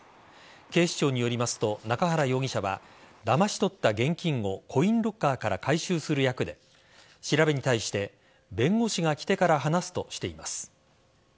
警視庁によりますと中原容疑者はだまし取った現金をコインロッカーから回収する役で調べに対して弁護士が来てから話すとしています。